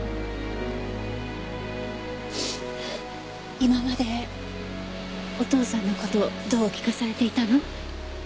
今までお父さんの事どう聞かされていたの？